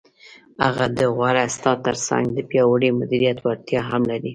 هغه د غوره استاد تر څنګ د پیاوړي مدیریت وړتیا هم لري.